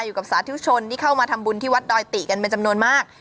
สาธุชนที่เข้ามาทำบุญที่วัดดอยติกันเป็นจำนวนมาก